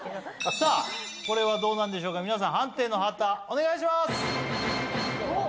さあこれはどうなんでしょうか皆さん判定の旗お願いします！